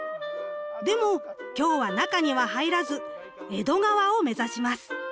でも今日は中には入らず江戸川を目指します。